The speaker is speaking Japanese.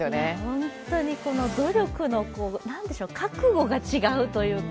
本当に努力の覚悟が違うというか。